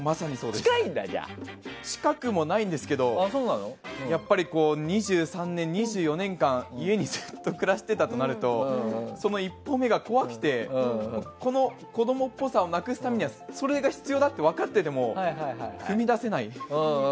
近くもないんですけど２４年間家にずっと暮らしてたとなるとその一歩目が怖くてこの子供っぽさをなくすためにはそれが必要だと分かってても踏み出せない。